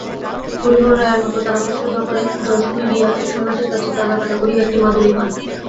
হরিহর রায়ের মাতা তারকেশ্বর দর্শনে গিয়া এক সন্ন্যাসীর কাছে কাঁদাকাটা করিয়া একটি মাদুলি পান।